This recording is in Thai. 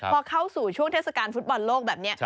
พอเข้าสู่ช่วงเทศกาลฟุตบอลโลกแบบนี้